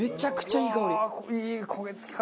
いい焦げ付き方。